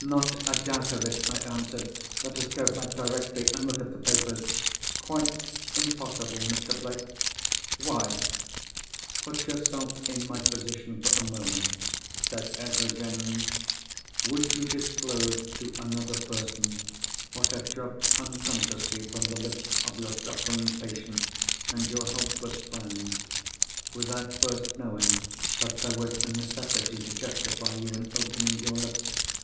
"Not a doubt of it!" I answered. "Let us go back directly, and look at the papers!" "Quite impossible, Mr. Blake." "Why?" "Put yourself in my position for a moment," said Ezra Jennings. "Would you disclose to another person what had dropped unconsciously from the lips of your suffering patient and your helpless friend, without first knowing that there was a necessity to justify you in opening your lips?"